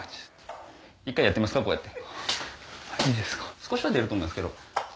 少しは出ると思うんですけど。